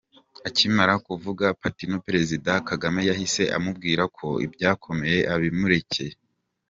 Akimara kuvuga atyo Perezida Kagame yahise amubwira ko iby’abakomeye abimurekera.